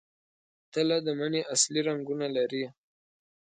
تله د مني اصلي رنګونه لري.